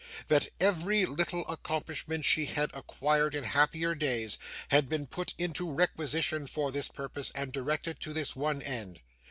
That every little accomplishment she had acquired in happier days had been put into requisition for this purpose, and directed to this one end.